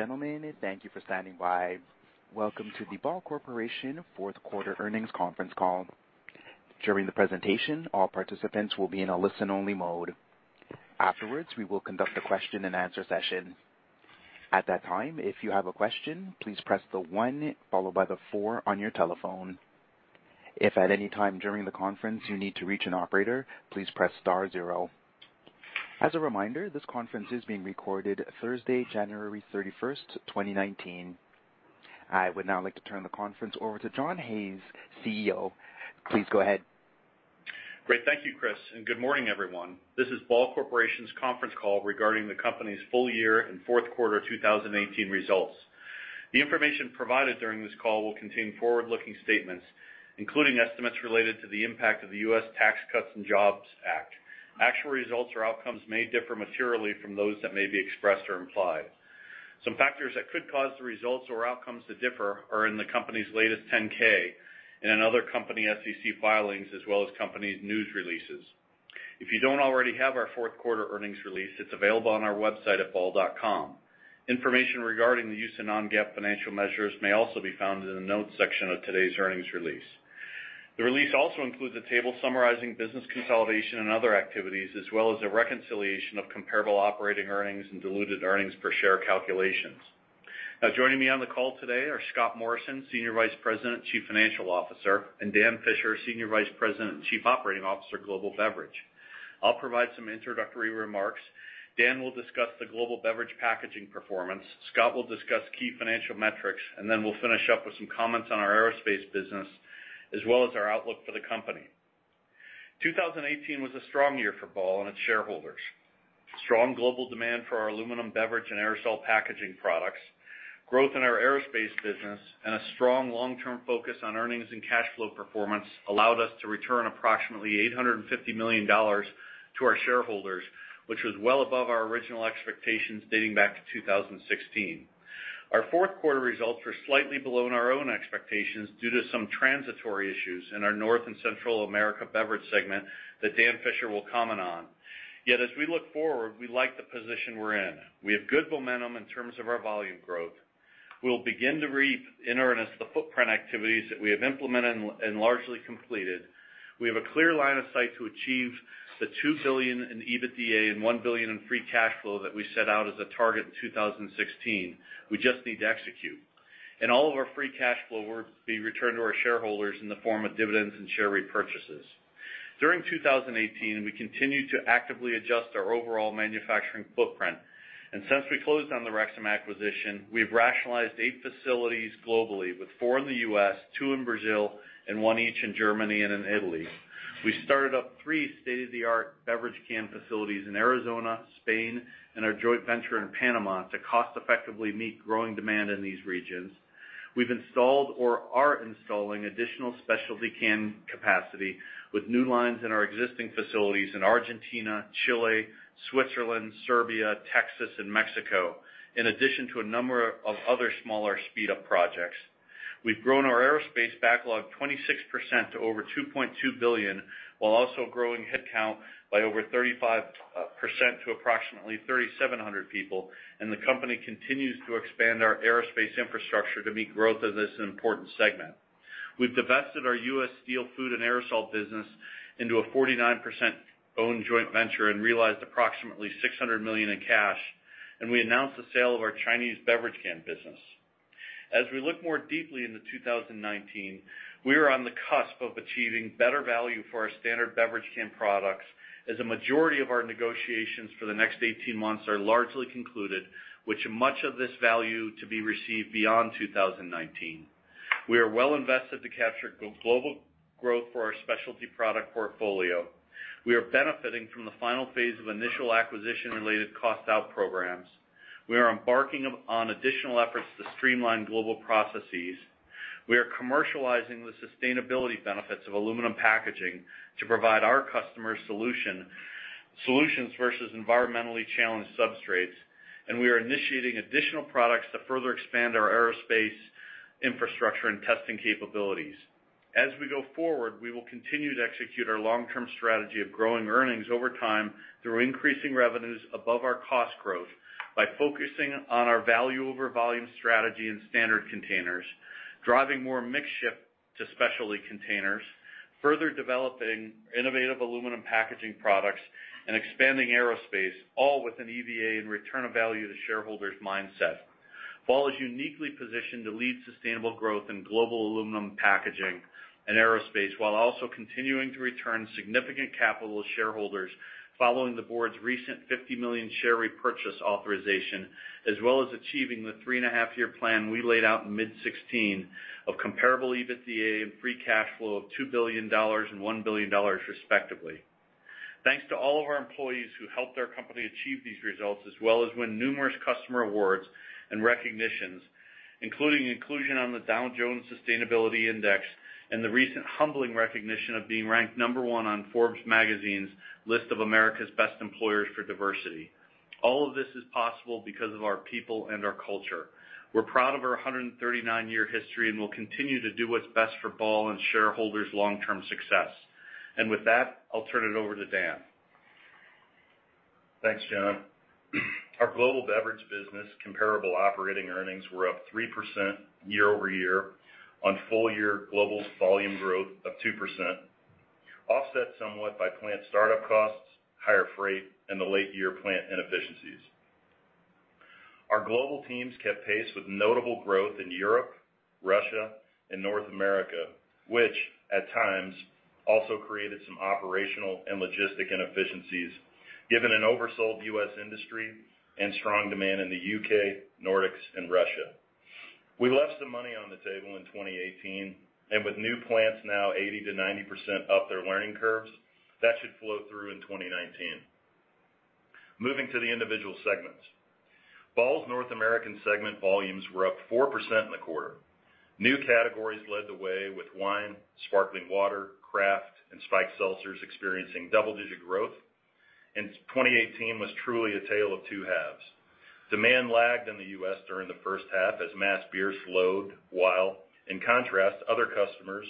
Ladies and gentlemen, thank you for standing by. Welcome to the Ball Corporation fourth quarter earnings conference call. During the presentation, all participants will be in a listen-only mode. Afterwards, we will conduct a question-and-answer session. At that time, if you have a question, please press the one followed by the four on your telephone. If at any time during the conference you need to reach an operator, please press star zero. As a reminder, this conference is being recorded Thursday, January 31st, 2019. I would now like to turn the conference over to John Hayes, CEO. Please go ahead. Great. Thank you, Chris, and good morning, everyone. This is Ball Corporation's conference call regarding the company's full-year and fourth quarter 2018 results. The information provided during this call will contain forward-looking statements, including estimates related to the impact of the U.S. Tax Cuts and Jobs Act. Actual results or outcomes may differ materially from those that may be expressed or implied. Some factors that could cause the results or outcomes to differ are in the company's latest Form 10-K and in other company SEC filings, as well as company news releases. If you don't already have our fourth quarter earnings release, it's available on our website at ball.com. Information regarding the use of non-GAAP financial measures may also be found in the notes section of today's earnings release. The release also includes a table summarizing business consolidation and other activities, as well as a reconciliation of comparable operating earnings and diluted earnings per share calculations. Now joining me on the call today are Scott Morrison, Senior Vice President, Chief Financial Officer, and Dan Fisher, Senior Vice President and Chief Operating Officer, Global Beverage. I'll provide some introductory remarks. Dan will discuss the global beverage packaging performance. Scott will discuss key financial metrics, and then we'll finish up with some comments on our aerospace business, as well as our outlook for the company. 2018 was a strong year for Ball and its shareholders. Strong global demand for our aluminum beverage and aerosol packaging products, growth in our aerospace business, and a strong long-term focus on earnings and cash flow performance allowed us to return approximately $850 million to our shareholders, which was well above our original expectations dating back to 2016. Our fourth quarter results were slightly below our own expectations due to some transitory issues in our North and Central America beverage segment that Dan Fisher will comment on. Yet, as we look forward, we like the position we're in. We have good momentum in terms of our volume growth. We'll begin to reap in earnest the footprint activities that we have implemented and largely completed. We have a clear line of sight to achieve the $2 billion in EBITDA and $1 billion in free cash flow that we set out as a target in 2016. We just need to execute. All of our free cash flow will be returned to our shareholders in the form of dividends and share repurchases. During 2018, we continued to actively adjust our overall manufacturing footprint. Since we closed on the Rexam acquisition, we have rationalized eight facilities globally, with four in the U.S., two in Brazil, and one each in Germany and in Italy. We started up three state-of-the-art beverage can facilities in Arizona, Spain, and our joint venture in Panama to cost-effectively meet growing demand in these regions. We've installed or are installing additional specialty can capacity with new lines in our existing facilities in Argentina, Chile, Switzerland, Serbia, Texas, and Mexico, in addition to a number of other smaller speed-up projects. We've grown our aerospace backlog 26% to over $2.2 billion, while also growing headcount by over 35% to approximately 3,700 people, and the company continues to expand our aerospace infrastructure to meet growth of this important segment. We've divested our U.S. steel food and aerosol business into a 49%-owned joint venture and realized approximately $600 million in cash, and we announced the sale of our Chinese beverage can business. As we look more deeply into 2019, we are on the cusp of achieving better value for our standard beverage can products, as a majority of our negotiations for the next 18 months are largely concluded, with much of this value to be received beyond 2019. We are well invested to capture global growth for our specialty product portfolio. We are benefiting from the final phase of initial acquisition-related cost-out programs. We are embarking on additional efforts to streamline global processes. We are commercializing the sustainability benefits of aluminum packaging to provide our customers solutions versus environmentally challenged substrates, and we are initiating additional products to further expand our aerospace infrastructure and testing capabilities. As we go forward, we will continue to execute our long-term strategy of growing earnings over time through increasing revenues above our cost growth by focusing on our value-over-volume strategy in standard containers, driving more mix ship to specialty containers, further developing innovative aluminum packaging products, and expanding aerospace, all with an EVA and return-of-value-to-shareholders mindset. Ball is uniquely positioned to lead sustainable growth in global aluminum packaging and aerospace, while also continuing to return significant capital to shareholders following the board's recent 50 million share repurchase authorization, as well as achieving the three-and-a-half-year plan we laid out in mid 2016 of comparable EBITDA and free cash flow of $2 billion and $1 billion respectively. Thanks to all of our employees who helped our company achieve these results, as well as win numerous customer awards and recognitions, including inclusion on the Dow Jones Sustainability Index and the recent humbling recognition of being ranked number one on Forbes Magazine's list of America's Best Employers for Diversity. All of this is possible because of our people and our culture. We're proud of our 139-year history, and we'll continue to do what's best for Ball and shareholders' long-term success. With that, I'll turn it over to Dan. Thanks, John. Our global beverage business comparable operating earnings were up 3% year-over-year on full-year global volume growth of 2%, offset somewhat by plant startup costs, higher freight, and the late year plant inefficiencies. Our global teams kept pace with notable growth in Europe, Russia, and North America, which at times also created some operational and logistic inefficiencies, given an oversold U.S. industry and strong demand in the U.K., Nordics, and Russia. We left some money on the table in 2018, and with new plants now 80%-90% up their learning curves, that should flow through in 2019. Moving to the individual segments. Ball's North American segment volumes were up 4% in the quarter. New categories led the way, with wine, sparkling water, craft, and spiked seltzers experiencing double-digit growth, and 2018 was truly a tale of two halves. Demand lagged in the U.S. during the first half as mass beer slowed, while in contrast, other customers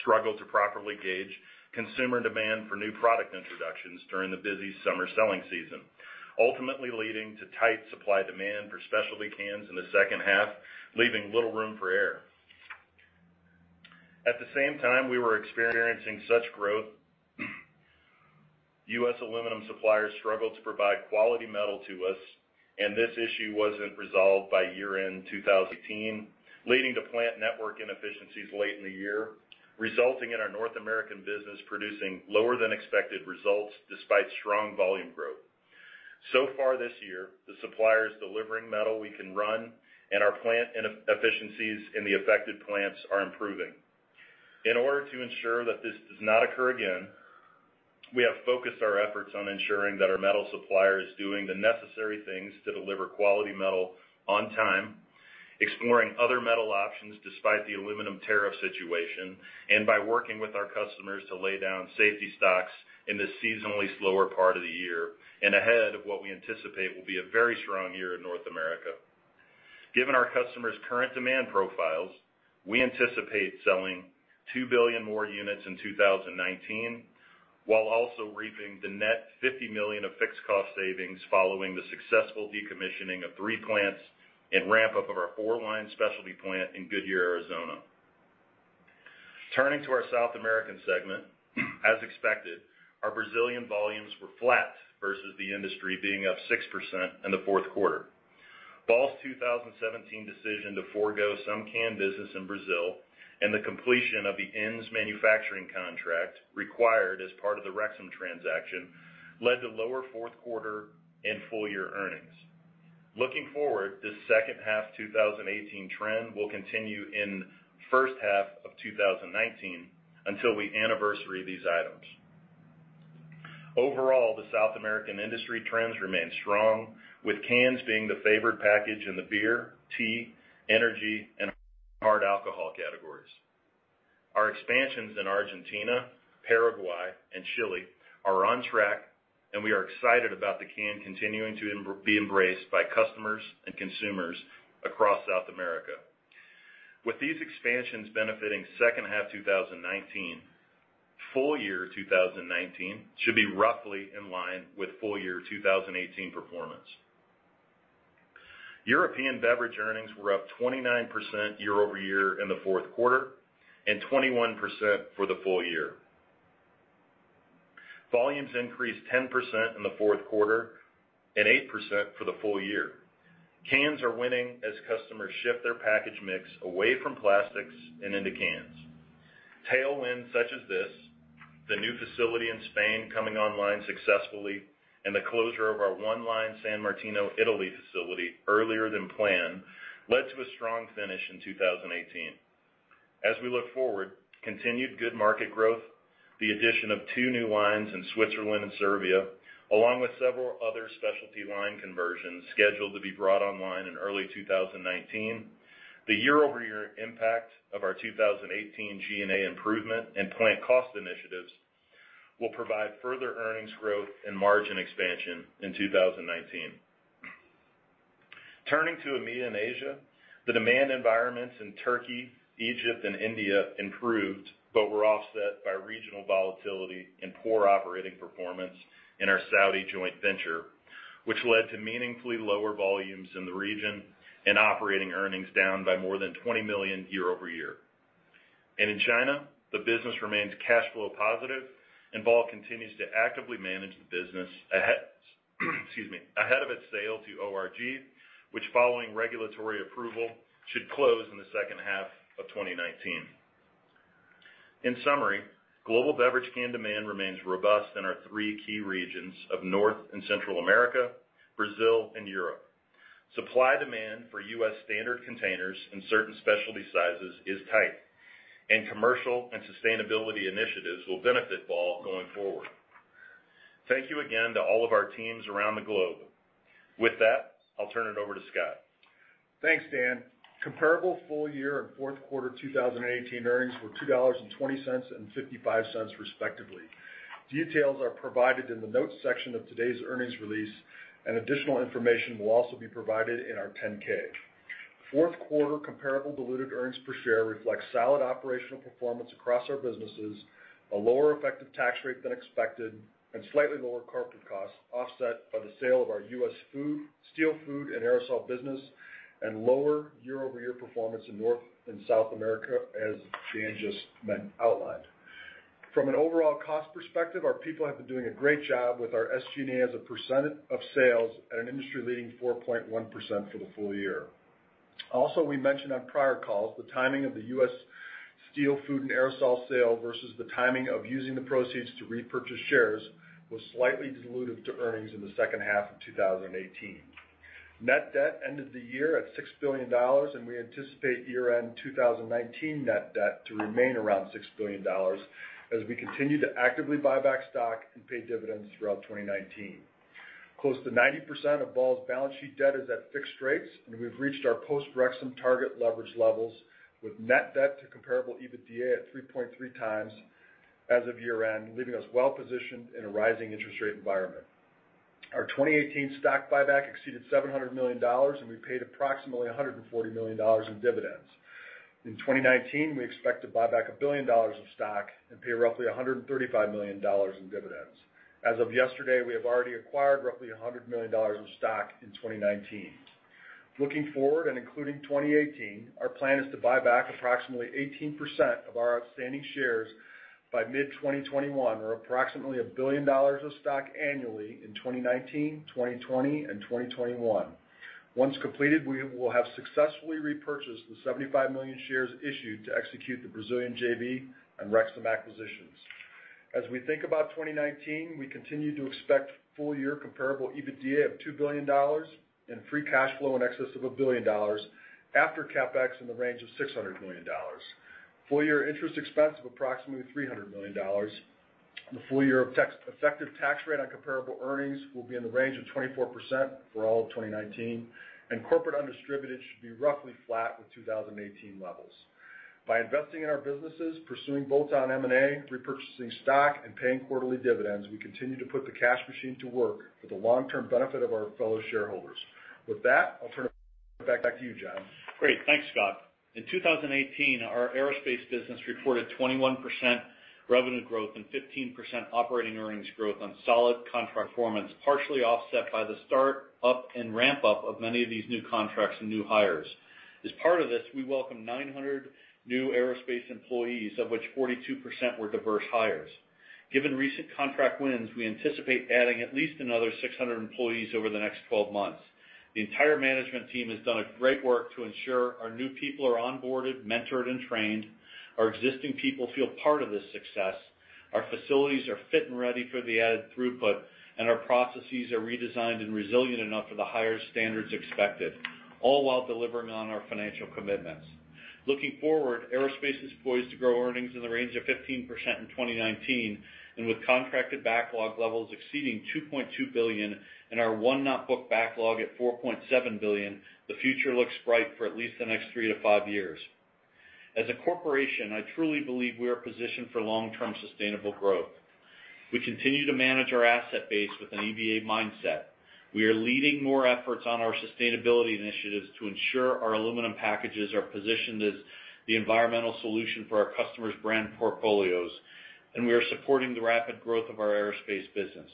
struggled to properly gauge consumer demand for new product introductions during the busy summer selling season, ultimately leading to tight supply demand for specialty cans in the second half, leaving little room for error. At the same time, we were experiencing such growth, U.S. aluminum suppliers struggled to provide quality metal to us, and this issue wasn't resolved by year-end 2018, leading to plant network inefficiencies late in the year, resulting in our North American business producing lower than expected results despite strong volume growth. So far this year, the supplier is delivering metal we can run and our plant inefficiencies in the affected plants are improving. In order to ensure that this does not occur again, we have focused our efforts on ensuring that our metal supplier is doing the necessary things to deliver quality metal on time, exploring other metal options despite the aluminum tariff situation, and by working with our customers to lay down safety stocks in the seasonally slower part of the year and ahead of what we anticipate will be a very strong year in North America. Given our customers' current demand profiles, we anticipate selling $2 billion more units in 2019, while also reaping the net $50 million of fixed cost savings following the successful decommissioning of three plants and ramp-up of our four-line specialty plant in Goodyear, Arizona. Turning to our South American segment. As expected, our Brazilian volumes were flat versus the industry being up 6% in the fourth quarter. Ball's 2017 decision to forgo some can business in Brazil and the completion of the ends manufacturing contract required as part of the Rexam transaction led to lower fourth quarter and full-year earnings. Looking forward, this second half of 2018 trend will continue in the first half of 2019 until we anniversary these items. Overall, the South American industry trends remain strong, with cans being the favored package in the beer, tea, energy, and hard alcohol categories. Our expansions in Argentina, Paraguay, and Chile are on track, and we are excited about the can continuing to be embraced by customers and consumers across South America. With these expansions benefiting second half 2019, full-year 2019 should be roughly in line with full-year 2018 performance. European beverage earnings were up 29% year-over-year in the fourth quarter and 21% for the full-year. Volumes increased 10% in the fourth quarter and 8% for the full-year. Cans are winning as customers shift their package mix away from plastics and into cans. Tailwinds such as this, the new facility in Spain coming online successfully, and the closure of our one-line San Martino, Italy facility earlier than planned, led to a strong finish in 2018. As we look forward, continued good market growth, the addition of two new lines in Switzerland and Serbia, along with several other specialty line conversions scheduled to be brought online in early 2019, the year-over-year impact of our 2018 G&A improvement and plant cost initiatives will provide further earnings growth and margin expansion in 2019. Turning to EMEA and Asia, the demand environments in Turkey, Egypt, and India improved, were offset by regional volatility and poor operating performance in our Saudi joint venture, which led to meaningfully lower volumes in the region and operating earnings down by more than $20 million year-over-year. In China, the business remains cash flow positive and Ball continues to actively manage the business ahead of its sale to ORG, which following regulatory approval, should close in the second half of 2019. In summary, global beverage can demand remains robust in our three key regions of North and Central America, Brazil, and Europe. Supply demand for U.S. standard containers and certain specialty sizes is tight, and commercial and sustainability initiatives will benefit Ball going forward. Thank you again to all of our teams around the globe. With that, I'll turn it over to Scott. Thanks, Dan. Comparable full-year and fourth quarter 2018 earnings were $2.20 and $0.55 respectively. Details are provided in the notes section of today's earnings release, and additional information will also be provided in our Form 10-K. Fourth quarter comparable diluted earnings per share reflects solid operational performance across our businesses, a lower effective tax rate than expected, and slightly lower corporate costs offset by the sale of our U.S. steel food and aerosol business, and lower year-over-year performance in North and South America, as Dan just outlined. From an overall cost perspective, our people have been doing a great job with our SG&A as a percentage of sales at an industry-leading 4.1% for the full-year. We mentioned on prior calls, the timing of the U.S. steel food and aerosol sale versus the timing of using the proceeds to repurchase shares was slightly dilutive to earnings in the second half of 2018. Net debt ended the year at $6 billion, we anticipate year-end 2019 net debt to remain around $6 billion as we continue to actively buy back stock and pay dividends throughout 2019. Close to 90% of Ball's balance sheet debt is at fixed rates, we've reached our post-Rexam target leverage levels with net debt to comparable EBITDA at 3.3x as of year-end, leaving us well positioned in a rising interest rate environment. Our 2018 stock buyback exceeded $700 million, we paid approximately $140 million in dividends. In 2019, we expect to buy back $1 billion of stock and pay roughly $135 million in dividends. As of yesterday, we have already acquired roughly $100 million of stock in 2019. Looking forward, and including 2018, our plan is to buy back approximately 18% of our outstanding shares by mid-2021 or approximately $1 billion of stock annually in 2019, 2020, and 2021. Once completed, we will have successfully repurchased the 75 million shares issued to execute the Brazilian JV and Rexam acquisitions. As we think about 2019, we continue to expect full-year comparable EBITDA of $2 billion and free cash flow in excess of $1 billion after CapEx in the range of $600 million. Full-year interest expense of approximately $300 million. The full-year effective tax rate on comparable earnings will be in the range of 24% for all of 2019, and corporate undistributed should be roughly flat with 2018 levels. By investing in our businesses, pursuing bolt-on M&A, repurchasing stock, and paying quarterly dividends, we continue to put the cash machine to work for the long-term benefit of our fellow shareholders. With that, I'll turn it back to you, John. Great. Thanks, Scott. In 2018, our aerospace business reported 21% revenue growth and 15% operating earnings growth on solid contract performance, partially offset by the start up and ramp up of many of these new contracts and new hires. As part of this, we welcomed 900 new aerospace employees, of which 42% were diverse hires. Given recent contract wins, we anticipate adding at least another 600 employees over the next 12 months. The entire management team has done great work to ensure our new people are onboarded, mentored, and trained, our existing people feel part of this success, our facilities are fit and ready for the added throughput, and our processes are redesigned and resilient enough for the higher standards expected, all while delivering on our financial commitments. Looking forward, aerospace is poised to grow earnings in the range of 15% in 2019, and with contracted backlog levels exceeding $2.2 billion and our unbooked backlog at $4.7 billion, the future looks bright for at least the next three to five years. As a corporation, I truly believe we are positioned for long-term sustainable growth. We continue to manage our asset base with an EVA mindset. We are leading more efforts on our sustainability initiatives to ensure our aluminum packages are positioned as the environmental solution for our customers' brand portfolios, and we are supporting the rapid growth of our aerospace business.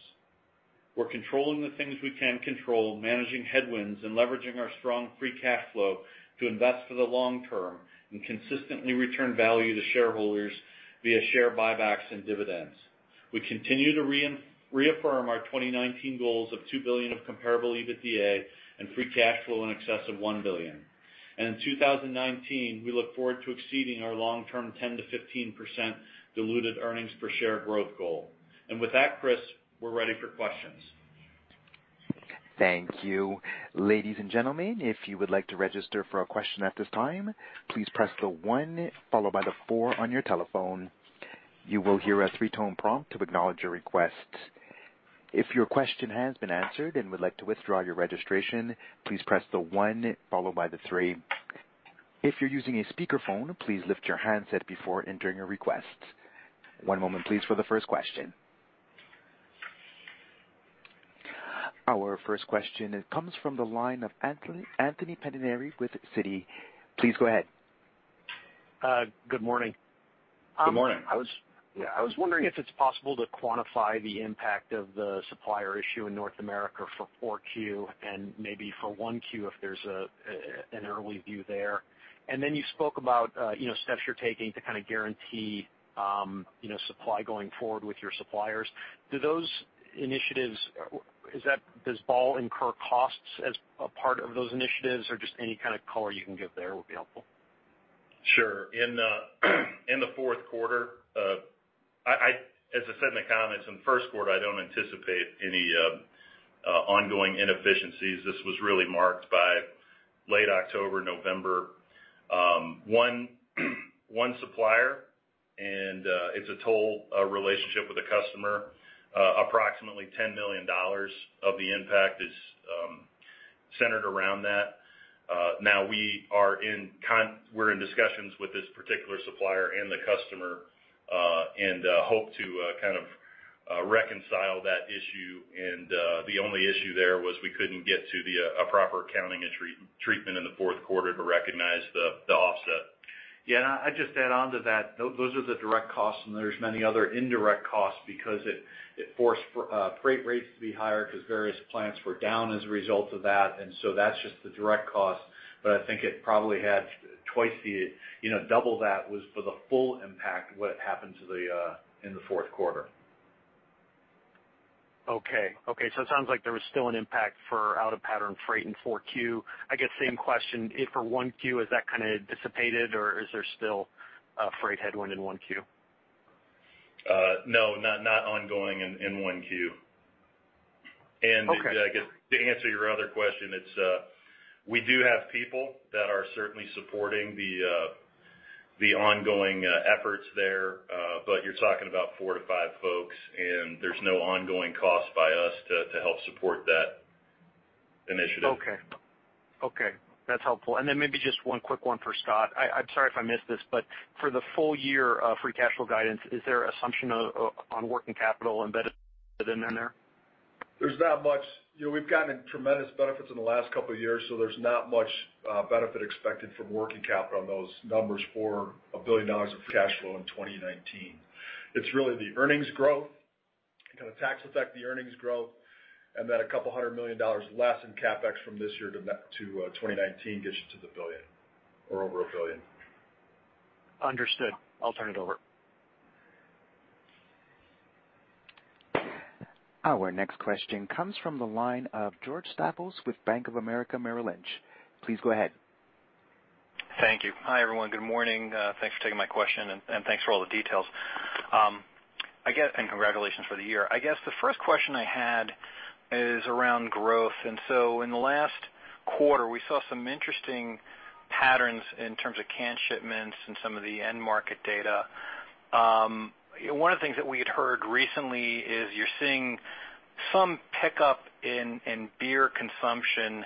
We're controlling the things we can control, managing headwinds, and leveraging our strong free cash flow to invest for the long term and consistently return value to shareholders via share buybacks and dividends. We continue to reaffirm our 2019 goals of $2 billion of comparable EBITDA and free cash flow in excess of $1 billion. In 2019, we look forward to exceeding our long-term 10%-15% diluted earnings per share growth goal. With that, Chris, we're ready for questions. Thank you. Ladies and gentlemen, if you would like to register for a question at this time, please press the one followed by the four on your telephone. You will hear a three-tone prompt to acknowledge your request. If your question has been answered and would like to withdraw your registration, please press the one followed by the three. If you're using a speakerphone, please lift your handset before entering a request. One moment please for the first question. Our first question comes from the line of Anthony Pettinari with Citi. Please go ahead. Good morning. Good morning. I was wondering if it's possible to quantify the impact of the supplier issue in North America for 4Q and maybe for 1Q, if there's an early view there. Then you spoke about steps you're taking to kind of guarantee supply going forward with your suppliers. Does Ball incur costs as a part of those initiatives? Or just any kind of color you can give there would be helpful. Sure. In the fourth quarter, as I said in the comments, in the first quarter, I don't anticipate any ongoing inefficiencies. This was really marked by late October, November. One supplier, and it's a total relationship with a customer. Approximately $10 million of the impact is centered around that. We're in discussions with this particular supplier and the customer and hope to reconcile that issue, the only issue there was we couldn't get to a proper accounting treatment in the fourth quarter to recognize the offset. I'd just add onto that, those are the direct costs, there's many other indirect costs because it forced freight rates to be higher because various plants were down as a result of that. That's just the direct cost, but I think it probably had double that was for the full impact of what happened in the fourth quarter. It sounds like there was still an impact for out-of-pattern freight in 4Q. I guess same question. For 1Q, has that kind of dissipated or is there still a freight headwind in 1Q? No, not ongoing in 1Q. Okay. I guess to answer your other question, we do have people that are certainly supporting the ongoing efforts there. You're talking about four to five folks, and there's no ongoing cost by us to help support that initiative. Okay. That's helpful. Maybe just one quick one for Scott. I'm sorry if I missed this, for the full-year free cash flow guidance, is there assumption on working capital embedded in there? There's not much. We've gotten tremendous benefits in the last couple of years. There's not much benefit expected from working capital on those numbers for $1 billion of free cash flow in 2019. It's really the earnings growth, kind of tax effect, the earnings growth, a couple hundred million dollars less in CapEx from this year to 2019 gets you to the $1 billion or over $1 billion. Understood. I'll turn it over. Our next question comes from the line of George Staphos with Bank of America Merrill Lynch. Please go ahead. Thank you. Hi, everyone. Good morning. Thanks for taking my question, thanks for all the details. Congratulations for the year. I guess the first question I had is around growth. In the last quarter, we saw some interesting patterns in terms of can shipments and some of the end market data. One of the things that we had heard recently is you're seeing some pickup in beer consumption,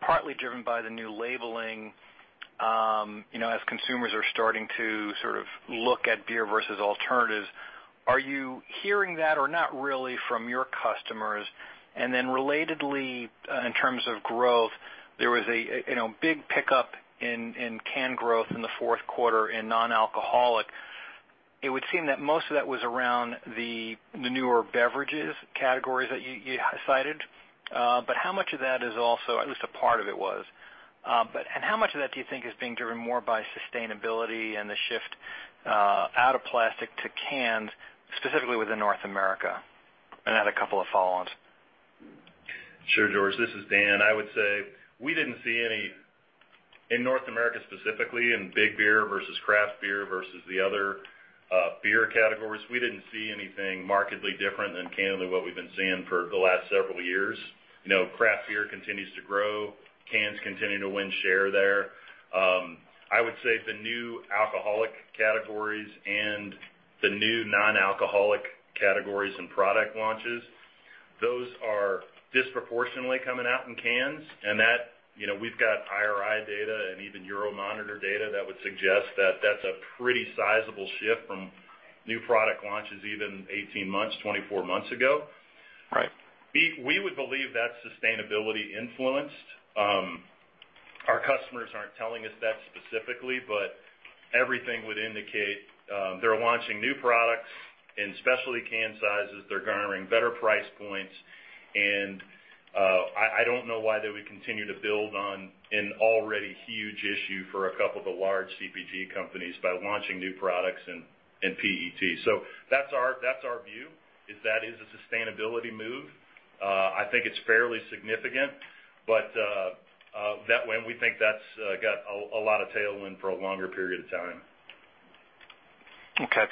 partly driven by the new labeling, as consumers are starting to sort of look at beer versus alternatives. Are you hearing that or not really from your customers? Relatedly, in terms of growth, there was a big pickup in can growth in the fourth quarter in non-alcoholic. It would seem that most of that was around the newer beverages categories that you cited. How much of that do you think is being driven more by sustainability and the shift out of plastic to cans, specifically within North America? I had a couple of follow-ons. Sure, George. This is Dan. I would say in North America, specifically in big beer versus craft beer versus the other beer categories, we didn't see anything markedly different than candidly what we've been seeing for the last several years. Craft beer continues to grow. Cans continue to win share there. We would say the new alcoholic categories and the new non-alcoholic categories and product launches, those are disproportionately coming out in cans. We've got IRI data and even Euromonitor data that would suggest that that's a pretty sizable shift from new product launches even 18 months, 24 months ago. Right. We would believe that's sustainability influenced. Our customers aren't telling us that specifically, but everything would indicate they're launching new products in specialty can sizes. They're garnering better price points, and I don't know why they would continue to build on an already huge issue for a couple of the large CPG companies by launching new products in PET. That's our view, is that is a sustainability move. I think it's fairly significant, but that way, we think that's got a lot of tailwind for a longer period of time. Okay.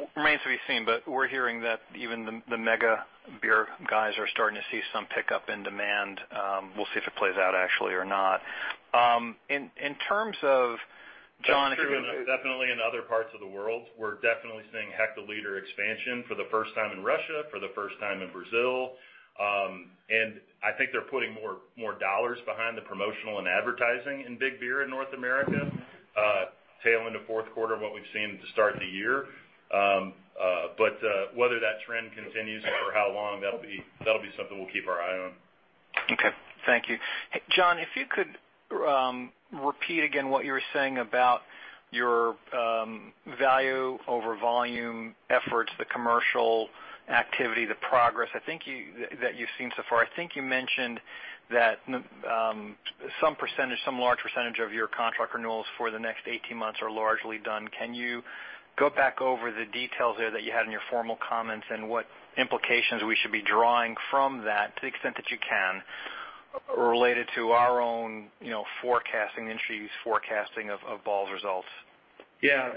It remains to be seen, but we're hearing that even the mega beer guys are starting to see some pickup in demand. We'll see if it plays out actually or not. In terms of, John, if you could- That's true definitely in other parts of the world. We're definitely seeing hectoliter expansion for the first time in Russia, for the first time in Brazil. I think they're putting more $ behind the promotional and advertising in big beer in North America, tail end of fourth quarter, what we've seen at the start of the year. Whether that trend continues or how long, that'll be something we'll keep our eye on. Okay. Thank you. John, if you could repeat again what you were saying about your value over volume efforts, the commercial activity, the progress that you've seen so far. I think you mentioned that some large percentage of your contract renewals for the next 18 months are largely done. Can you go back over the details there that you had in your formal comments and what implications we should be drawing from that to the extent that you can related to our own forecasting, the industry's forecasting of Ball's results? Yeah.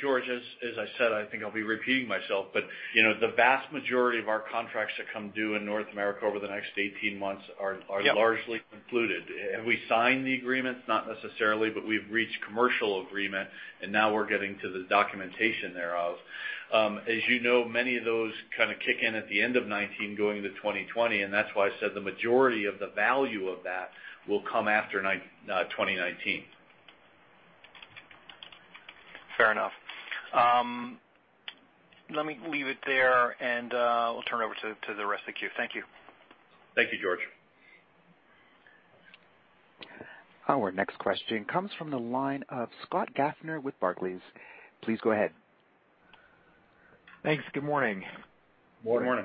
George, as I said, I think I'll be repeating myself, but the vast majority of our contracts that come due in North America over the next 18 months are largely concluded. Have we signed the agreements? Not necessarily, but we've reached commercial agreement, and now we're getting to the documentation thereof. As you know, many of those kind of kick in at the end of 2019 going to 2020, and that's why I said the majority of the value of that will come after 2019. Fair enough. Let me leave it there, and we'll turn it over to the rest of the queue. Thank you. Thank you, George. Our next question comes from the line of Scott Gaffner with Barclays. Please go ahead. Thanks. Good morning. Morning.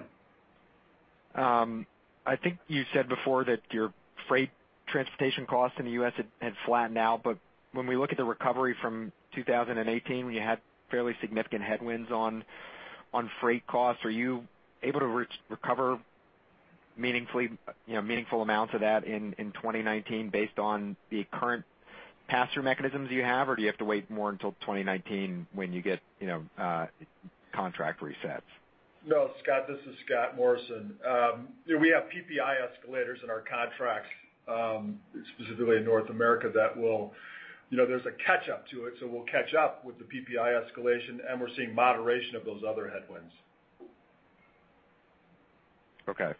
Morning. I think you said before that your freight transportation costs in the U.S. had flattened out, but when we look at the recovery from 2018, when you had fairly significant headwinds on freight costs, are you able to recover meaningful amounts of that in 2019 based on the current pass-through mechanisms you have? Or do you have to wait more until 2019 when you get contract resets? No, Scott, this is Scott Morrison. We have PPI escalators in our contracts, specifically in North America. There's a catch-up to it, so we'll catch up with the PPI escalation, and we're seeing moderation of those other headwinds. Okay.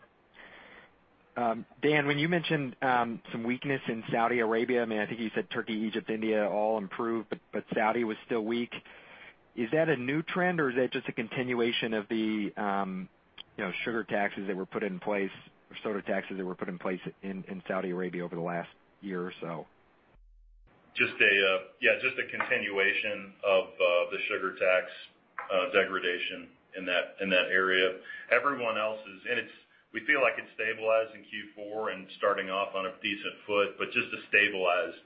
Dan, when you mentioned some weakness in Saudi Arabia, I think you said Turkey, Egypt, India all improved, but Saudi was still weak. Is that a new trend or is that just a continuation of the sugar taxes that were put in place, or soda taxes that were put in place in Saudi Arabia over the last year or so? Just a continuation of the sugar tax degradation in that area. We feel like it's stabilized in Q4 and starting off on a decent foot, but just a stabilized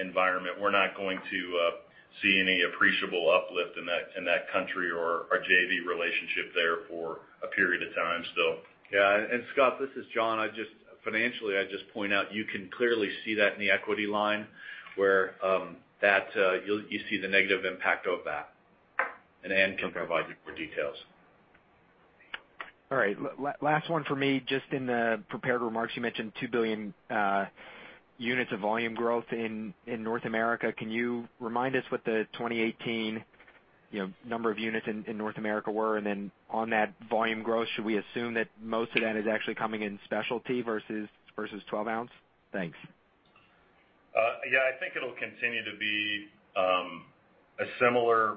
environment. We're not going to see any appreciable uplift in that country or our JV relationship there for a period of time still. Yeah, and Scott, this is John. Financially, I'd just point out, you can clearly see that in the equity line where you see the negative impact of that, and Dan can provide you more details. All right. Last one for me. Just in the prepared remarks, you mentioned 2 billion units of volume growth in North America. Can you remind us what the 2018 number of units in North America were? On that volume growth, should we assume that most of that is actually coming in specialty versus 12-oz? Thanks. Yeah. I think it'll continue to be a similar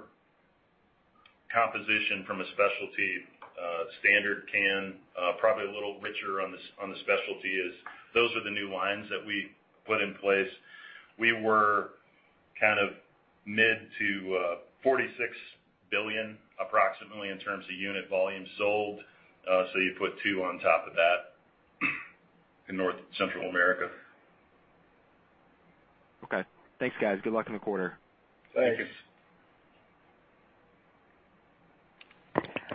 composition from a specialty standard can, probably a little richer on the specialty as those are the new lines that we put in place. We were mid to 46 billion approximately in terms of unit volume sold, so you put two on top of that in North Central America. Okay. Thanks, guys. Good luck in the quarter. Thanks. Thank you.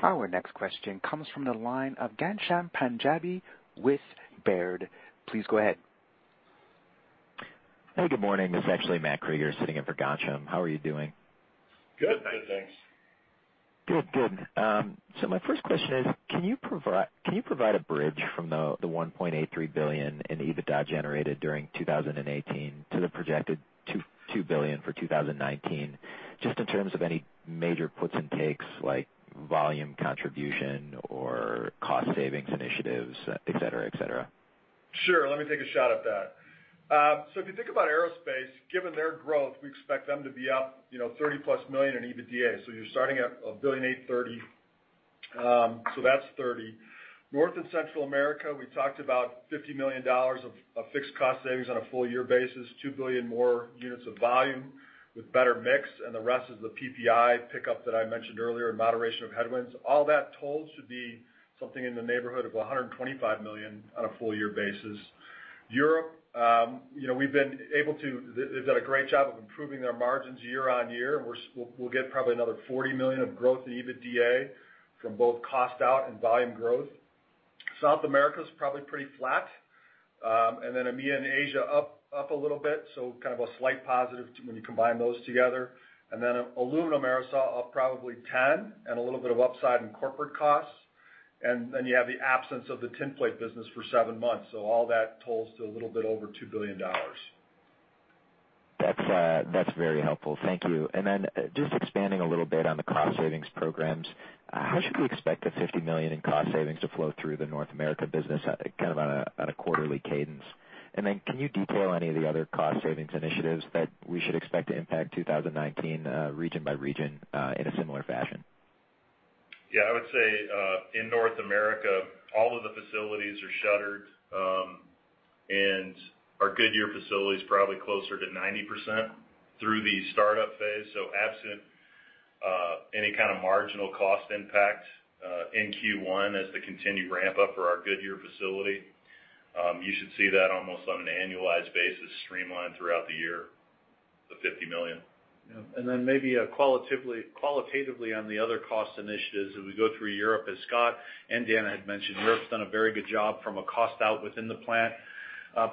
Our next question comes from the line of Ghansham Panjabi with Baird. Please go ahead. Hey, good morning. It's actually Matt Krueger sitting in for Ghansham. How are you doing? Good. Good. Thanks. Good. My first question is, can you provide a bridge from the $1.83 billion in EBITDA generated during 2018 to the projected $2 billion for 2019, just in terms of any major puts and takes like volume contribution or cost savings initiatives, et cetera? Sure. Let me take a shot at that. If you think about aerospace, given their growth, we expect them to be up $30+ million in EBITDA. You're starting at $1.830 billion, that's $30 million. North and Central America, we talked about $50 million of fixed cost savings on a full-year basis, 2 billion more units of volume with better mix, and the rest is the PPI pickup that I mentioned earlier and moderation of headwinds. All that totaled should be something in the neighborhood of $125 million on a full-year basis. Europe, they've done a great job of improving their margins year-over-year. We'll get probably another $40 million of growth in EBITDA from both cost out and volume growth. South America is probably pretty flat. EMEA and Asia up a little bit, a slight positive when you combine those together. Aluminum Aerosol up probably $10 million and a little bit of upside in corporate costs. You have the absence of the tin plate business for seven months. All that totals to a little bit over $2 billion. That's very helpful. Thank you. Just expanding a little bit on the cost savings programs, how should we expect the $50 million in cost savings to flow through the North America business on a quarterly cadence? Can you detail any of the other cost savings initiatives that we should expect to impact 2019 region by region in a similar fashion? I would say in North America, all of the facilities are shuttered, and our Goodyear facility is probably closer to 90% through the startup phase. Absent any kind of marginal cost impact in Q1 as the continued ramp-up for our Goodyear facility, you should see that almost on an annualized basis, streamlined throughout the year, the $50 million. Maybe qualitatively on the other cost initiatives as we go through Europe, as Scott and Dan had mentioned, Europe's done a very good job from a cost-out within the plant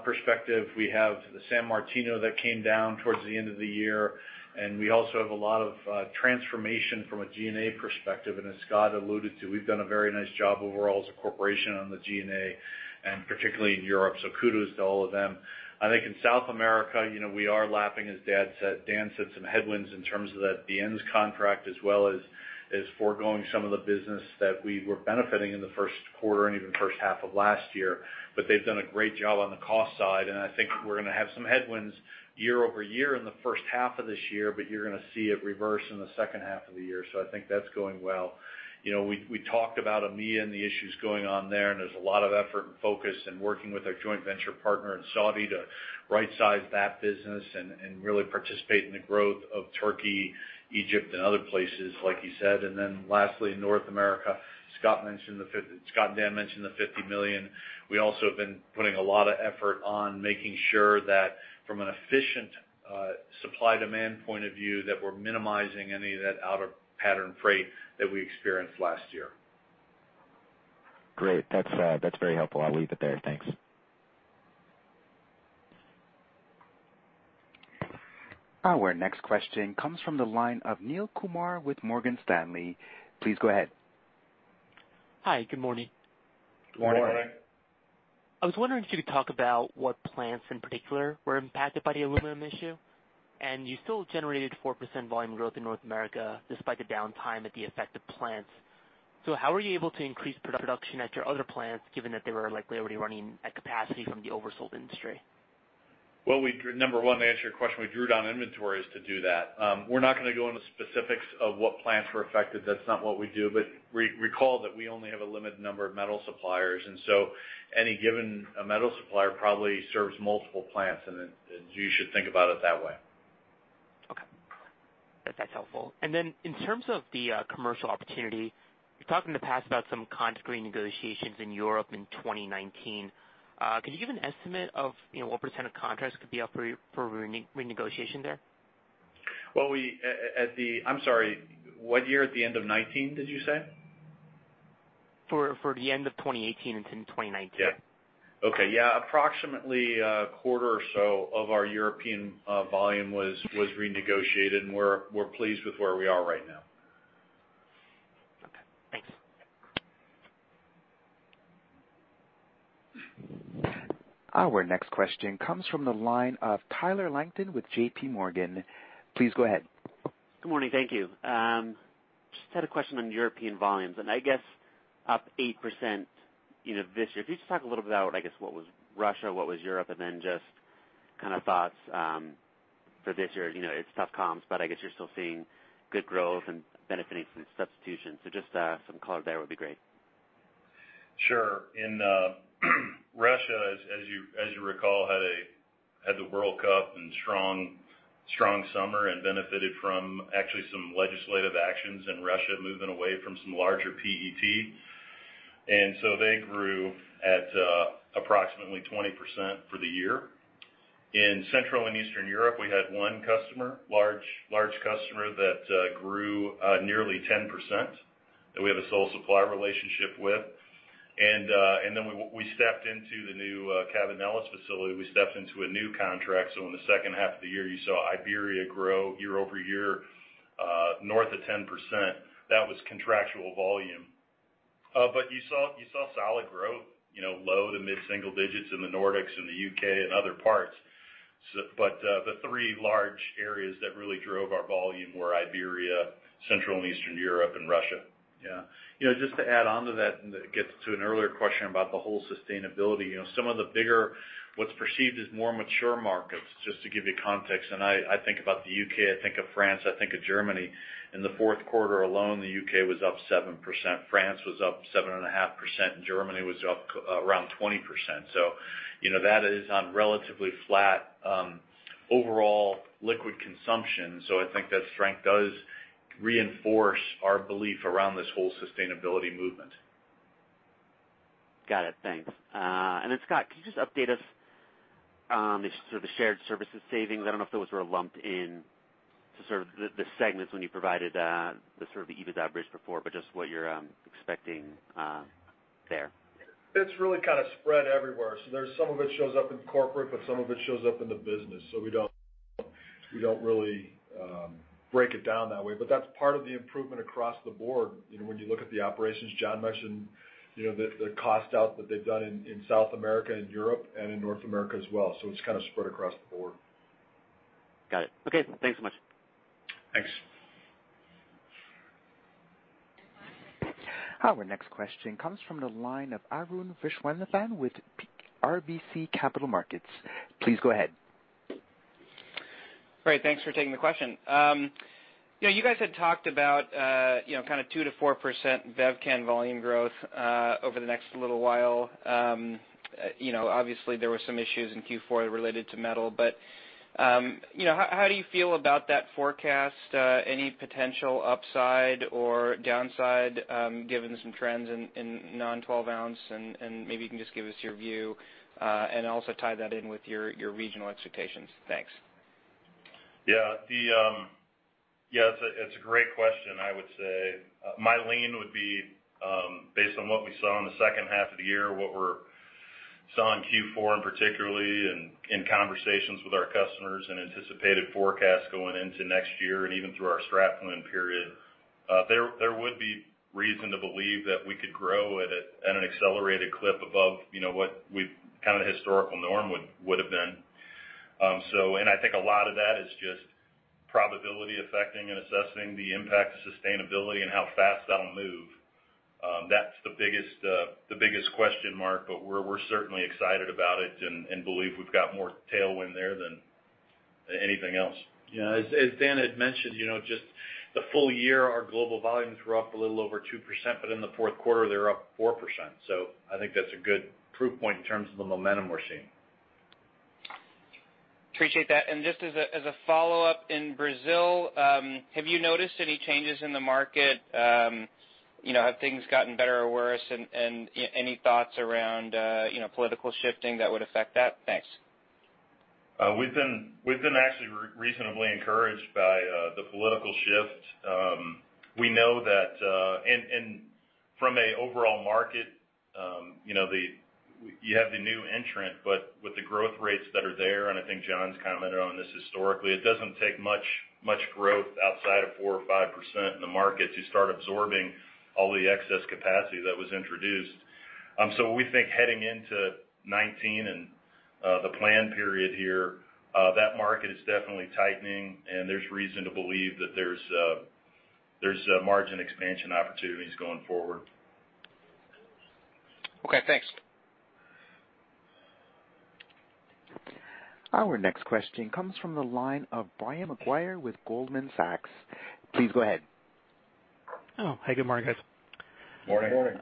perspective. We have San Martino that came down towards the end of the year, we also have a lot of transformation from a G&A perspective, as Scott alluded to, we've done a very nice job overall as a corporation on the G&A, and particularly in Europe. Kudos to all of them. I think in South America, we are lapping, as Dan said, some headwinds in terms of that BN's contract, as well as foregoing some of the business that we were benefiting in the first quarter and even first half of last year. They've done a great job on the cost side, I think we're going to have some headwinds year-over-year in the first half of this year, but you're going to see it reverse in the second half of the year. I think that's going well. We talked about EMEA and the issues going on there's a lot of effort and focus and working with our joint venture partner in Saudi to right-size that business and really participate in the growth of Turkey, Egypt and other places, like you said. Lastly, in North America, Scott and Dan mentioned the $50 million. We also have been putting a lot of effort on making sure that from an efficient supply-demand point of view, that we're minimizing any of that out-of-pattern freight that we experienced last year. Great. That's very helpful. I'll leave it there. Thanks. Our next question comes from the line of Neel Kumar with Morgan Stanley. Please go ahead. Hi. Good morning. Good morning. Good morning. I was wondering if you could talk about what plants in particular were impacted by the aluminum issue. You still generated 4% volume growth in North America despite the downtime at the affected plants. How were you able to increase production at your other plants, given that they were likely already running at capacity from the oversold industry? Well, number one, to answer your question, we drew down inventories to do that. We're not going to go into specifics of what plants were affected. That's not what we do, recall that we only have a limited number of metal suppliers, any given metal supplier probably serves multiple plants, you should think about it that way. Okay. That's helpful. In terms of the commercial opportunity, you talked in the past about some contract renegotiations in Europe in 2019. Can you give an estimate of what percent of contracts could be up for renegotiation there? I'm sorry, what year at the end of 2019, did you say? For the end of 2018 into 2019. Okay. Yeah, approximately a quarter or so of our European volume was renegotiated, and we're pleased with where we are right now. Okay, thanks. Our next question comes from the line of Tyler Langton with JPMorgan. Please go ahead. Good morning. Thank you. Just had a question on European volumes. I guess up 8% this year. Could you just talk a little bit about, I guess, what was Russia, what was Europe, just kind of thoughts for this year. It's tough comps. I guess you're still seeing good growth and benefiting from the substitution. Just some color there would be great. Sure. In Russia, as you recall, had the World Cup and strong summer and benefited from actually some legislative actions in Russia moving away from some larger PET. They grew at approximately 20% for the year. In Central and Eastern Europe, we had one customer, large customer that grew nearly 10%, that we have a sole supply relationship with. We stepped into the new Cabanillas facility. We stepped into a new contract. In the second half of the year, you saw Iberia grow year-over-year north of 10%. That was contractual volume. You saw solid growth, low to mid-single digits in the Nordics and the U.K. and other parts. The three large areas that really drove our volume were Iberia, Central and Eastern Europe, and Russia. Yeah. Just to add onto that. It gets to an earlier question about the whole sustainability. Some of the bigger, what's perceived as more mature markets, just to give you context. I think about the U.K., I think of France, I think of Germany. In the fourth quarter alone, the U.K. was up 7%, France was up 7.5%, and Germany was up around 20%. That is on relatively flat overall liquid consumption. I think that strength does reinforce our belief around this whole sustainability movement. Got it. Thanks. Scott, could you just update us, sort of the shared services savings? I don't know if those were lumped in to sort of the segments when you provided the sort of the EBITDA bridge before, just what you're expecting there. It's really kind of spread everywhere. There's some of it shows up in corporate, but some of it shows up in the business. We don't really break it down that way. That's part of the improvement across the board. When you look at the operations John mentioned, the cost out that they've done in South America and Europe and in North America as well. It's kind of spread across the board. Got it. Okay. Thanks so much. Thanks. Our next question comes from the line of Arun Viswanathan with RBC Capital Markets. Please go ahead. Great. Thanks for taking the question. You guys had talked about kind of 2%-4% bev can volume growth over the next little while. Obviously, there were some issues in Q4 related to metal, how do you feel about that forecast? Any potential upside or downside given some trends in non-12 oz, maybe you can just give us your view, also tie that in with your regional expectations. Thanks. Yeah. It's a great question, I would say. My lean would be based on what we saw in the second half of the year, what we're seeing Q4 in particularly, in conversations with our customers and anticipated forecasts going into next year and even through our strat planning period. There would be reason to believe that we could grow at an accelerated clip above what the historical norm would have been. I think a lot of that is just probability affecting and assessing the impact of sustainability and how fast that'll move. That's the biggest question mark, we're certainly excited about it and believe we've got more tailwind there than anything else. Yeah. As Dan had mentioned, just the full-year, our global volumes were up a little over 2%, in the fourth quarter they were up 4%. I think that's a good proof point in terms of the momentum we're seeing. Appreciate that. Just as a follow-up, in Brazil, have you noticed any changes in the market? Have things gotten better or worse? Any thoughts around political shifting that would affect that? Thanks. We've been actually reasonably encouraged by the political shift. From an overall market, you have the new entrant, with the growth rates that are there, I think John's commented on this historically, it doesn't take much growth outside of 4% or 5% in the market to start absorbing all the excess capacity that was introduced. We think heading into 2019 and the plan period here, that market is definitely tightening, there's reason to believe that there's margin expansion opportunities going forward. Okay, thanks. Our next question comes from the line of Brian Maguire with Goldman Sachs. Please go ahead. Oh, hey. Good morning, guys. Morning. Morning.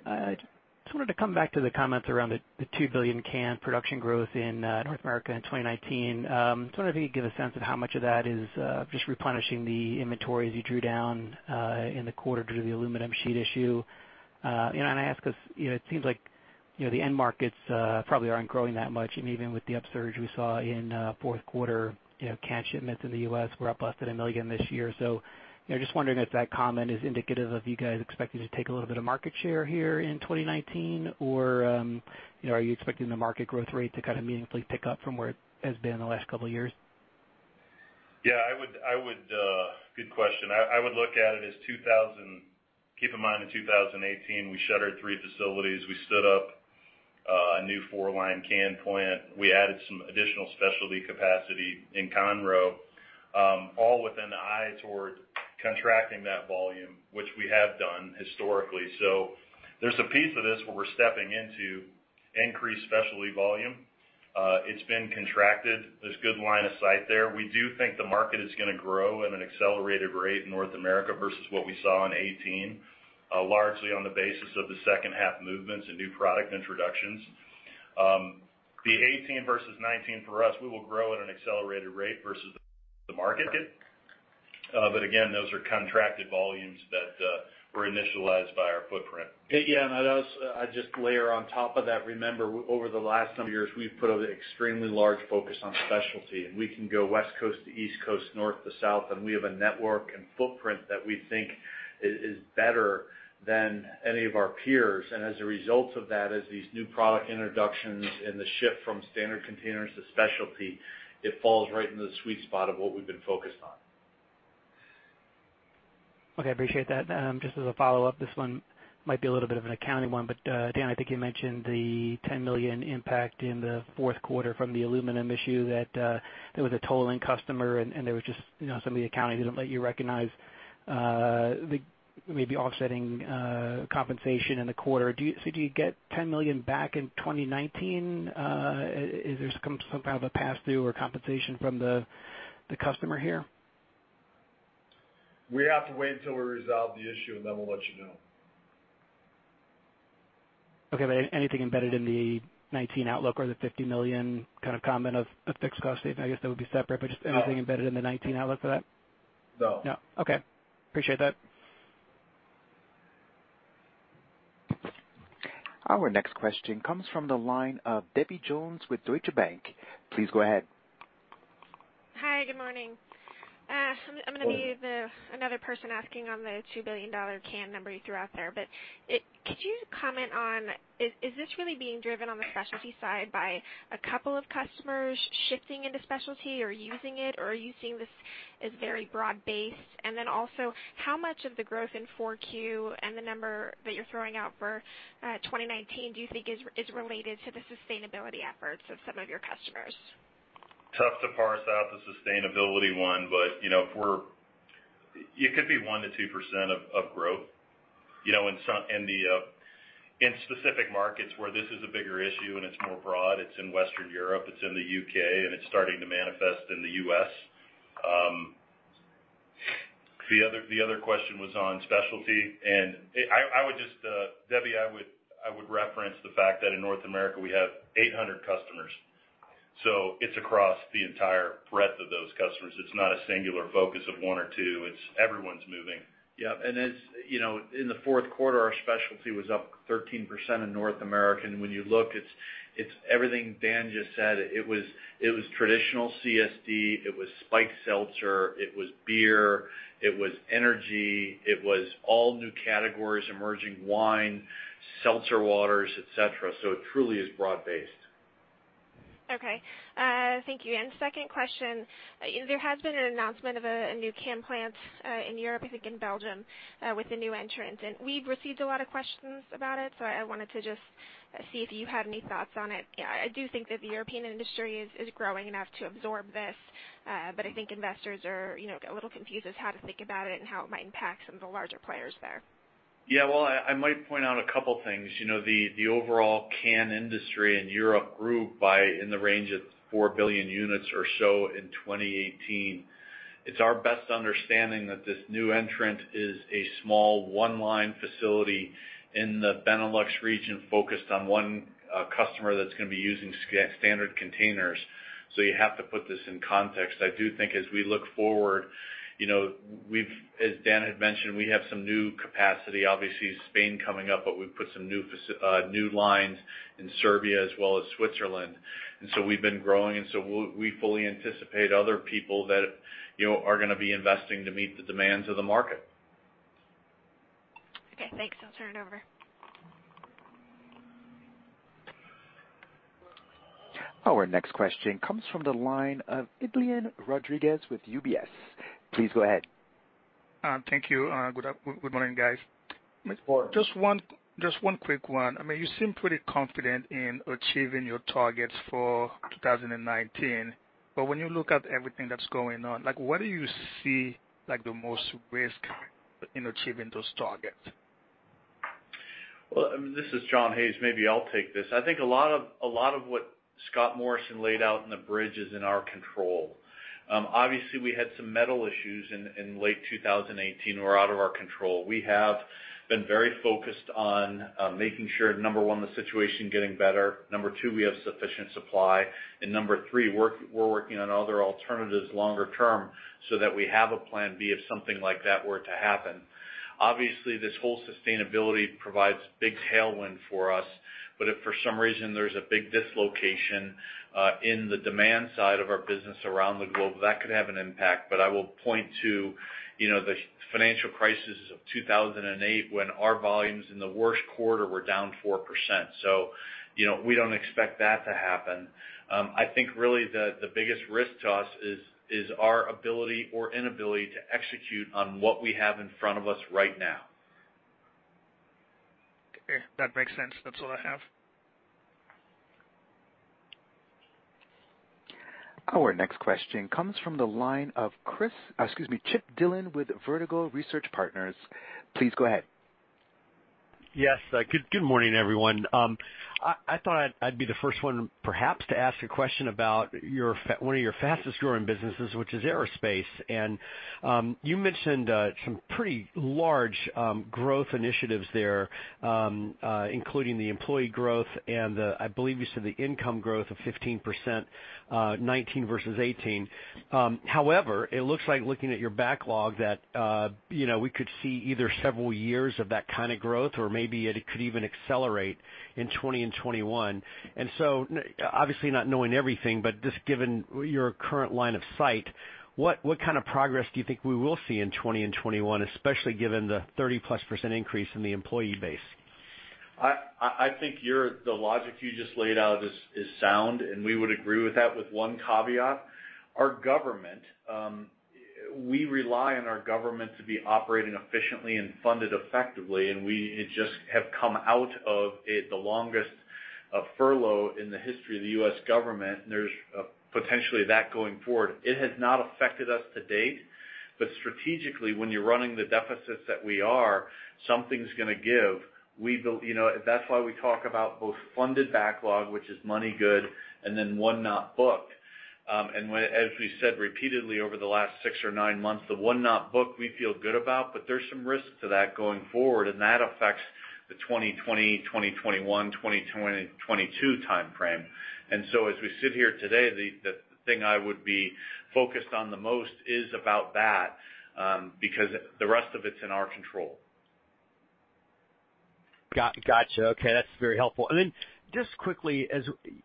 Just wanted to come back to the comments around the 2 billion can production growth in North America in 2019. Just wondering if you could give a sense of how much of that is just replenishing the inventory as you drew down in the quarter due to the aluminum sheet issue. I ask because it seems like the end markets probably aren't growing that much, and even with the upsurge we saw in fourth quarter can shipments in the U.S. were up less than 1 million this year. Just wondering if that comment is indicative of you guys expecting to take a little bit of market share here in 2019, or are you expecting the market growth rate to meaningfully pick up from where it has been the last couple of years? Good question. I would look at it as, keep in mind in 2018, we shuttered 3 facilities. We stood up a new four-line can plant. We added some additional specialty capacity in Conroe, all with an eye toward contracting that volume, which we have done historically. There's a piece of this where we're stepping into increased specialty volume. It's been contracted. There's good line of sight there. We do think the market is going to grow at an accelerated rate in North America versus what we saw in 2018, largely on the basis of the second half movements and new product introductions. The 2018 versus 2019 for us, we will grow at an accelerated rate versus the market. Again, those are contracted volumes that were initialized by our footprint. I'd just layer on top of that, remember, over the last number of years, we've put an extremely large focus on specialty, and we can go West Coast to East Coast, north to south, and we have a network and footprint that we think is better than any of our peers. As a result of that, as these new product introductions and the shift from standard containers to specialty, it falls right into the sweet spot of what we've been focused on. Okay. I appreciate that. Just as a follow-up, this one might be a little bit of an accounting one, Dan, I think you mentioned the $10 million impact in the fourth quarter from the aluminum issue that there was a tolling customer and there was just some of the accounting didn't let you recognize the maybe offsetting compensation in the quarter. Do you get $10 million back in 2019? Is there some kind of a pass-through or compensation from the customer here? We have to wait until we resolve the issue, and then we'll let you know. Okay, anything embedded in the 2019 outlook or the $50 million kind of comment of fixed cost savings? I guess that would be separate, but just anything embedded in the 2019 outlook for that? No. No. Okay. Appreciate that. Our next question comes from the line of Debbie Jones with Deutsche Bank. Please go ahead. Hi, good morning. Morning. I'm going to be another person asking on the $2 billion can number you threw out there. Could you comment on, is this really being driven on the specialty side by a couple of customers shifting into specialty or using it, or are you seeing this as very broad-based? Also, how much of the growth in 4Q and the number that you're throwing out for 2019 do you think is related to the sustainability efforts of some of your customers? Tough to parse out the sustainability one, it could be 1%-2% of growth. In specific markets where this is a bigger issue and it's more broad, it's in Western Europe, it's in the U.K., it's starting to manifest in the U.S. The other question was on specialty, Debbie, I would reference the fact that in North America, we have 800 customers. It's across the entire breadth of those customers. It's not a singular focus of one or two. It's everyone's moving. Yeah. In the fourth quarter, our specialty was up 13% in North America. When you look, it's everything Dan just said. It was traditional CSD, it was spiked seltzer, it was beer, it was energy, it was all new categories, emerging wine, seltzer waters, et cetera. It truly is broad-based. Okay. Thank you. Second question, there has been an announcement of a new can plant in Europe, I think in Belgium, with a new entrant, we've received a lot of questions about it, I wanted to just see if you had any thoughts on it. I do think that the European industry is growing enough to absorb this, I think investors are a little confused as to how to think about it and how it might impact some of the larger players there. Yeah. Well, I might point out a couple of things. The overall can industry in Europe grew by in the range of 4 billion units or so in 2018. It's our best understanding that this new entrant is a small one-line facility in the Benelux region, focused on one customer that's going to be using standard containers. You have to put this in context. I do think as we look forward, as Dan had mentioned, we have some new capacity. Obviously, Spain coming up, but we've put some new lines in Serbia as well as Switzerland. We've been growing, and so we fully anticipate other people that are going to be investing to meet the demands of the market. Okay, thanks. I'll turn it over. Our next question comes from the line of Edlain Rodriguez with UBS. Please go ahead. Thank you. Good morning, guys. Good morning. Just one quick one. You seem pretty confident in achieving your targets for 2019, but when you look at everything that's going on, where do you see the most risk in achieving those targets? Well, this is John Hayes. Maybe I'll take this. I think a lot of what Scott Morrison laid out in the bridge is in our control. Obviously, we had some metal issues in late 2018 that were out of our control. We have been very focused on making sure, number one, the situation getting better. Number two, we have sufficient supply. Number three, we're working on other alternatives longer term so that we have a plan B if something like that were to happen. Obviously, this whole sustainability provides a big tailwind for us, if for some reason there's a big dislocation in the demand side of our business around the globe, that could have an impact. I will point to the financial crisis of 2008 when our volumes in the worst quarter were down 4%. We don't expect that to happen. I think really the biggest risk to us is our ability or inability to execute on what we have in front of us right now. Okay. That makes sense. That's all I have. Our next question comes from the line of Chip Dillon with Vertical Research Partners. Please go ahead. Yes. Good morning, everyone. I thought I'd be the first one perhaps to ask a question about one of your fastest growing businesses, which is aerospace. You mentioned some pretty large growth initiatives there, including the employee growth and I believe you said the income growth of 15%, 2019 versus 2018. However, it looks like looking at your backlog that we could see either several years of that kind of growth or maybe it could even accelerate in 2020 and 2021. Obviously, not knowing everything, but just given your current line of sight, what kind of progress do you think we will see in 2020 and 2021, especially given the 30+% increase in the employee base? I think the logic you just laid out is sound. We would agree with that with one caveat. Our government. We rely on our government to be operating efficiently and funded effectively. There's potentially that going forward. It has not affected us to date. Strategically, when you're running the deficits that we are, something's going to give. That's why we talk about both funded backlog, which is money good, and then one not booked. As we said repeatedly over the last six or nine months, the one not booked we feel good about. There's some risks to that going forward, and that affects the 2020, 2021, 2022 time frame. As we sit here today, the thing I would be focused on the most is about that, because the rest of it's in our control. Got you. Okay, that's very helpful. Just quickly,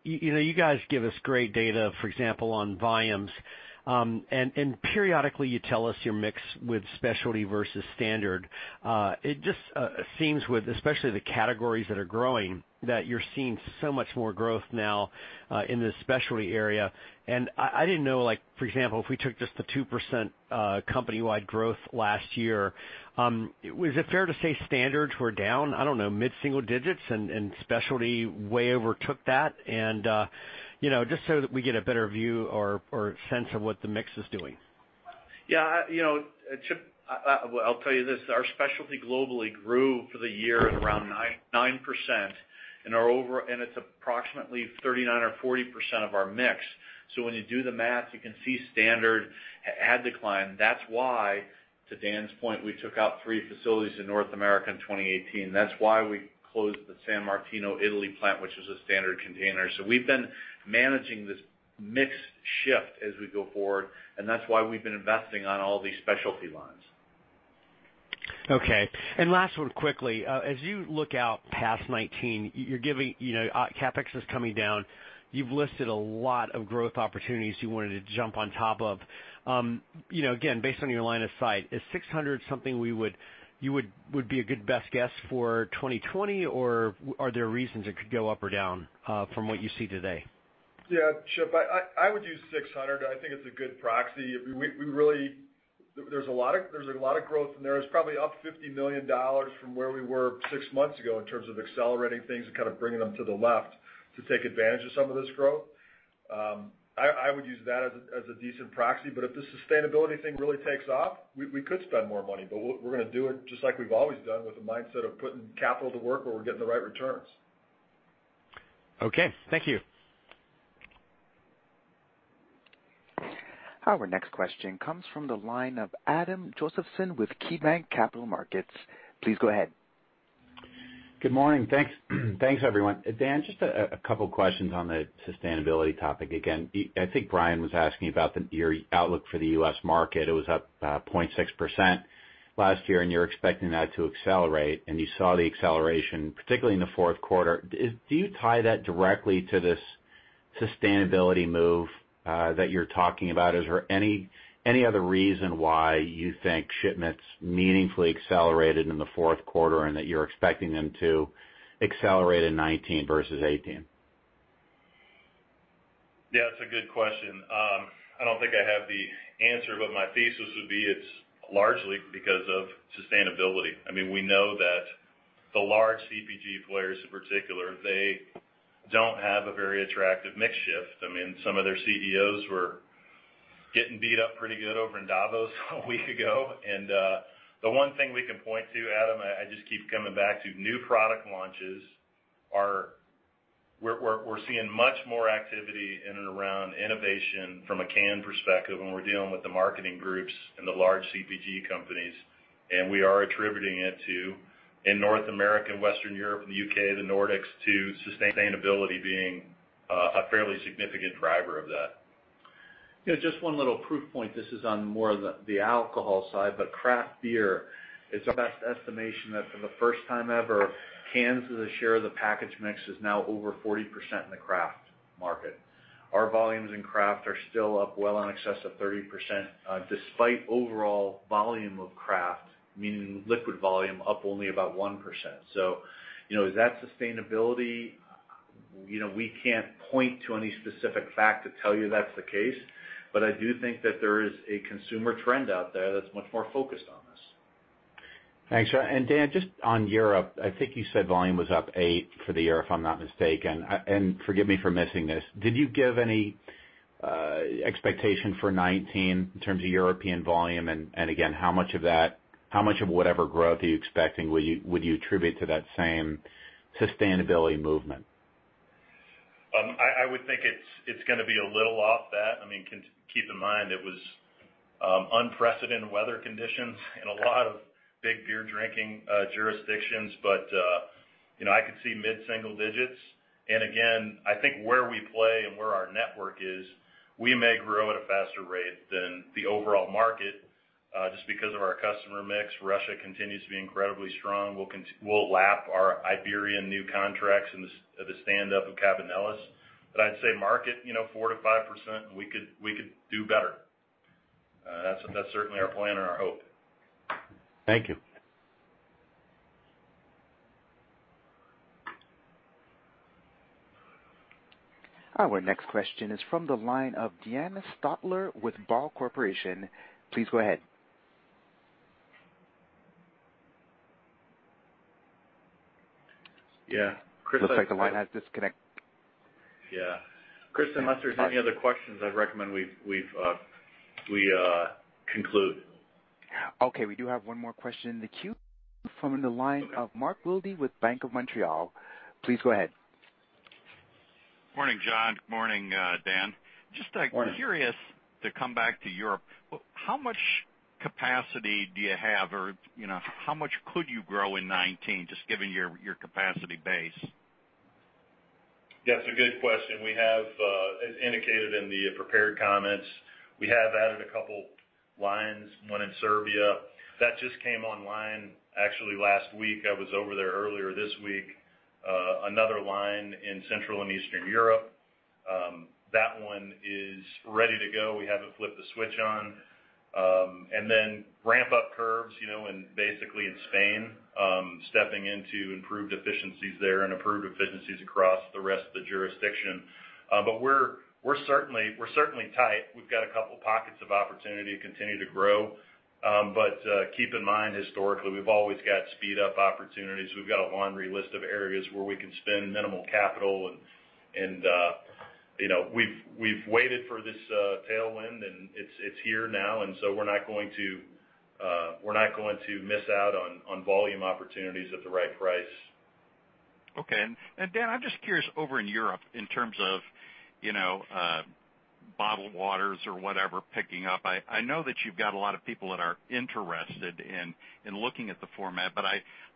you guys give us great data, for example, on volumes. Periodically you tell us your mix with specialty versus standard. It just seems with, especially the categories that are growing, that you're seeing so much more growth now in the specialty area. I didn't know, for example, if we took just the 2% company-wide growth last year, is it fair to say standards were down, I don't know, mid-single digits and specialty way overtook that? Just so that we get a better view or sense of what the mix is doing. Yeah. Chip, I'll tell you this, our specialty globally grew for the year at around 9%, and it's approximately 39% or 40% of our mix. When you do the math, you can see standard had declined. That's why, to Dan's point, we took out three facilities in North America in 2018. That's why we closed the San Martino Italy plant, which was a standard container. We've been managing this mix shift as we go forward, and that's why we've been investing on all these specialty lines. Okay. Last one quickly. As you look out past 2019, CapEx is coming down. You've listed a lot of growth opportunities you wanted to jump on top of. Again, based on your line of sight, is $600 something you would be a good best guess for 2020? Are there reasons it could go up or down from what you see today? Yeah, Chip, I would use $600. I think it's a good proxy. There's a lot of growth in there. It's probably up $50 million from where we were six months ago in terms of accelerating things and kind of bringing them to the left to take advantage of some of this growth. If the sustainability thing really takes off, we could spend more money. We're going to do it just like we've always done with the mindset of putting capital to work where we're getting the right returns. Okay. Thank you. Our next question comes from the line of Adam Josephson with KeyBanc Capital Markets. Please go ahead. Good morning. Thanks, everyone. Dan, just a couple questions on the sustainability topic. Again, I think Brian was asking about your outlook for the U.S. market. It was up 0.6% last year, and you're expecting that to accelerate. You saw the acceleration, particularly in the fourth quarter. Do you tie that directly to this sustainability move that you're talking about? Is there any other reason why you think shipments meaningfully accelerated in the fourth quarter and that you're expecting them to accelerate in 2019 versus 2018? Yeah, it's a good question. I don't think I have the answer, but my thesis would be it's largely because of sustainability. We know that the large CPG players in particular, they don't have a very attractive mix shift. Some of their CEOs were getting beat up pretty good over in Davos a week ago. The one thing we can point to, Adam, I just keep coming back to new product launches. We're seeing much more activity in and around innovation from a can perspective when we're dealing with the marketing groups and the large CPG companies. We are attributing it to, in North America and Western Europe and the U.K., the Nordics, to sustainability being a fairly significant driver of that. Just one little proof point. This is on more of the alcohol side, but craft beer, it's our best estimation that for the first time ever, cans as a share of the package mix is now over 40% in the craft market. Our volumes in craft are still up well in excess of 30%, despite overall volume of craft, meaning liquid volume up only about 1%. Is that sustainability? We can't point to any specific fact to tell you that's the case, but I do think that there is a consumer trend out there that's much more focused on this. Thanks. Dan, just on Europe, I think you said volume was up eight for the year, if I'm not mistaken. Forgive me for missing this. Did you give any expectation for 2019 in terms of European volume? Again, how much of whatever growth are you expecting would you attribute to that same sustainability movement? I would think it's going to be a little off that. Keep in mind, it was unprecedented weather conditions in a lot of big beer drinking jurisdictions, but I could see mid-single digits. Again, I think where we play and where our network is, we may grow at a faster rate than the overall market just because of our customer mix. Russia continues to be incredibly strong. We'll lap our Iberian new contracts and the stand-up of Cabanelas. I'd say market, 4%-5%, and we could do better. That's certainly our plan and our hope. Thank you. Our next question is from the line of Deanna Stottler with Ball Corporation. Please go ahead. Yeah. Chris, unless Looks like the line has disconnect- Yeah. Chris, unless there's any other questions, I'd recommend we conclude. Okay. We do have one more question in the queue from the line of Mark Wilde with Bank of Montreal. Please go ahead. Morning, John. Morning, Dan. Morning. Just curious to come back to Europe. How much capacity do you have, or how much could you grow in 2019, just given your capacity base? That's a good question. As indicated in the prepared comments, we have added a couple lines, one in Serbia. That just came online actually last week. I was over there earlier this week. Another line in Central and Eastern Europe. That one is ready to go. We haven't flipped the switch on. Ramp up curves, basically in Spain, stepping into improved efficiencies there and improved efficiencies across the rest of the jurisdiction. We're certainly tight. We've got a couple pockets of opportunity to continue to grow. Keep in mind, historically, we've always got speed-up opportunities. We've got a laundry list of areas where we can spend minimal capital, and we've waited for this tailwind, and it's here now, we're not going to miss out on volume opportunities at the right price. Okay. Dan, I'm just curious, over in Europe, in terms of bottled waters or whatever picking up, I know that you've got a lot of people that are interested in looking at the format,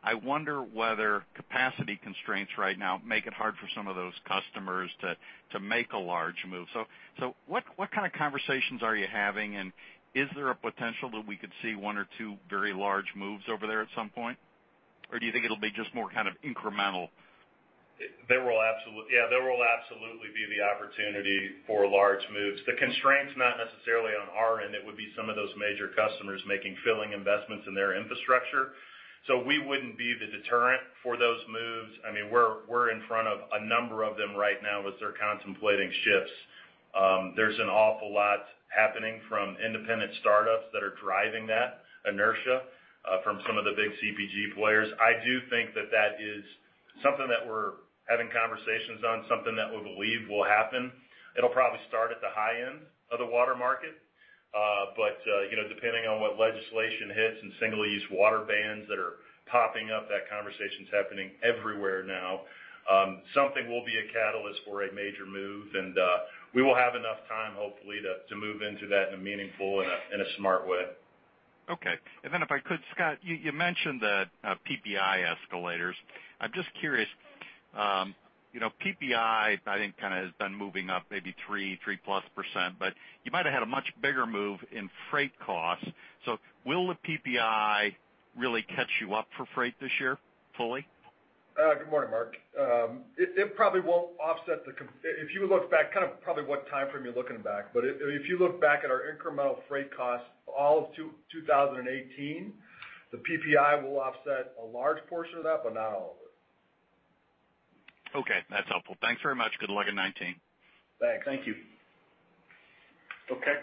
I wonder whether capacity constraints right now make it hard for some of those customers to make a large move. What kind of conversations are you having? Is there a potential that we could see one or two very large moves over there at some point? Do you think it'll be just more kind of incremental? There will absolutely be the opportunity for large moves. The constraint's not necessarily on our end. It would be some of those major customers making filling investments in their infrastructure. We wouldn't be the deterrent for those moves. We're in front of a number of them right now as they're contemplating shifts. There's an awful lot happening from independent startups that are driving that inertia from some of the big CPG players. I do think that that is something that we're having conversations on, something that we believe will happen. It'll probably start at the high end of the water market. Depending on what legislation hits and single-use water bans that are popping up, that conversation's happening everywhere now. Something will be a catalyst for a major move, and we will have enough time, hopefully, to move into that in a meaningful and a smart way. Okay. If I could, Scott, you mentioned the PPI escalators. I am just curious. PPI, I think, has been moving up maybe 3%, 3+%, but you might have had a much bigger move in freight costs. Will the PPI really catch you up for freight this year fully? Good morning, Mark. It probably won't offset. If you look back, probably what time frame you are looking back, but if you look back at our incremental freight costs, all of 2018, the PPI will offset a large portion of that, but not all of it. Okay, that is helpful. Thanks very much. Good luck in 2019. Thanks. Thank you. Okay.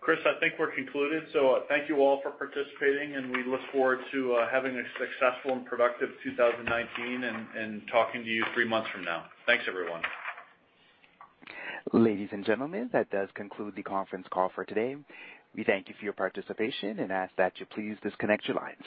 Chris, I think we are concluded, so thank you all for participating, and we look forward to having a successful and productive 2019 and talking to you three months from now. Thanks, everyone. Ladies and gentlemen, that does conclude the conference call for today. We thank you for your participation and ask that you please disconnect your lines.